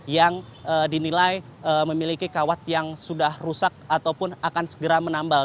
yang dinilai memiliki kawat yang sudah rusak ataupun akan segera menambal